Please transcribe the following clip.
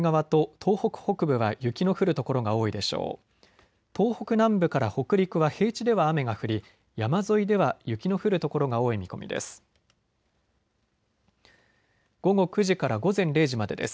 東北南部から北陸は平地では雨が降り山沿いでは雪の降る所が多い見込みです。